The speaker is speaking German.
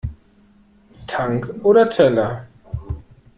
Tank oder Teller?